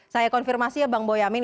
saya konfirmasi ya bang boyamin